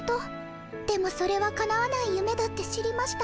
でもそれはかなわないゆめだって知りました。